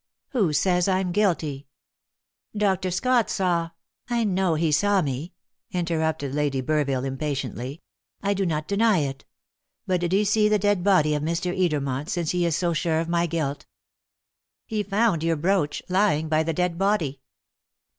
Who says I am guilty?" "Dr. Scott saw " "I know he saw me!" interrupted Lady Burville impatiently. "I do not deny it. But did he see the dead body of Mr. Edermont, since he is so sure of my guilt?" "He found your brooch lying by the dead body."